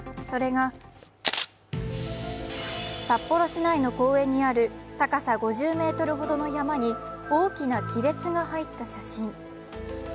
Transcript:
それが札幌市内の公園にある高さ５０ｍほどの山に大きな亀裂が入った写真。